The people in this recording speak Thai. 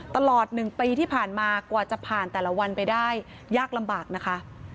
ตลอด๑ปีที่ผ่านมากว่าจะผ่านแต่ละวันไปได้ยากลำบากนะคะ